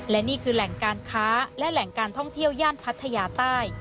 และนี่คือแหล่งการค้าและแหล่งการท่องเที่ยวย่านพัทยาใต้